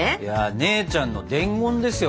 姉ちゃんの伝言ですよ